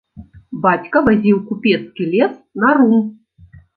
Бацька вазіў купецкі лес на рум.